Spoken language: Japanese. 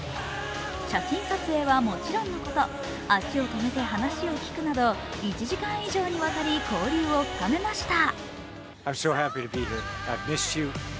写真撮影はもちろんのこと足を止めて話を聞くなど１時間以上にわたり交流を深めました。